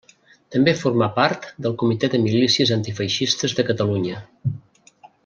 També formà part del Comitè de Milícies Antifeixistes de Catalunya.